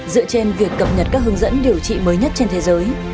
dựa trên việc cập nhật các hướng dẫn điều trị mới nhất trên thế giới